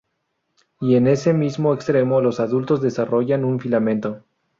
Y en ese mismo extremo, de adultos desarrollan un filamento.